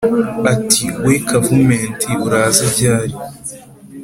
Ati :" We Kavumenti uraza ryari